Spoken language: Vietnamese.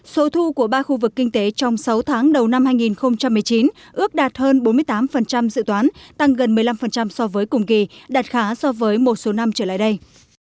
số thu của ba khu vực kinh tế trong sáu tháng đầu năm hai nghìn một mươi chín ước đạt hơn bốn mươi tám dự toán tăng gần một mươi năm so với cùng kỳ đạt khá so với một số năm trở lại đây